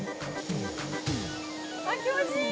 あっ気持ちいい！